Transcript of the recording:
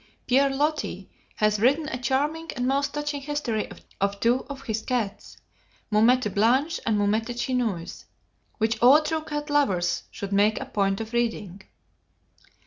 Pierre Loti has written a charming and most touching history of two of his cats Moumette Blanche and Moumette Chinoise which all true cat lovers should make a point of reading.